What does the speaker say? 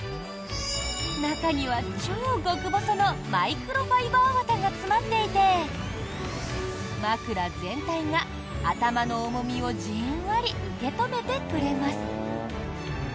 中には超極細のマイクロファイバー綿が詰まっていて枕全体が頭の重みをじんわり受け止めてくれます。